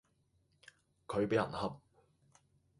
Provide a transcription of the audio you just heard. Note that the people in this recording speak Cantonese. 佢畀人恰